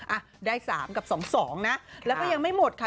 อ่ะได้๓กับ๒๒นะแล้วก็ยังไม่หมดค่ะ